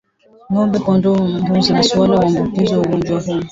Ng'ombe kondoo mbuzi na swala huambukizwa ugonjwa huu